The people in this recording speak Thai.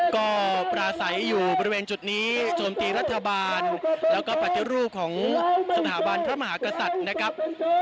ก็ปราศัยอยู่บริเวณจุดนี้โจมตีรัฐบาลแล้วก็ปฏิรูปของสถาบันพระมหากษัตริย์นะครับ